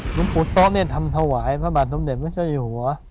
หลุมปูโต๊ะทำถวายพระบาทสมเด็จพระเจ้ายิโฮะ